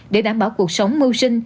để đảm bảo cuộc sống mưu sinh